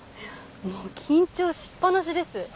もう緊張しっぱなしです。